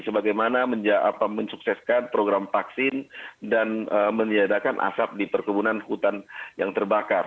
sebagaimana menjaga apa mensukseskan program vaksin dan menyediakan asap di perkebunan hutan yang terbakar